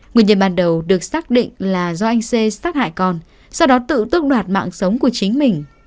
nguyên nhân ban đầu được xác định là do anh xê sát hại con sau đó tự tước đoạt mạng sống của chính mình